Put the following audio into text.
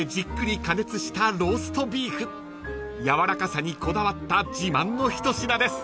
［やわらかさにこだわった自慢の一品です］